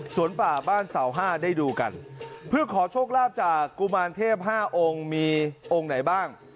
ป่าบ้านเสาห้าได้ดูกันเพื่อขอโชคลาภจากกุมารเทพ๕องค์มีองค์ไหนบ้าง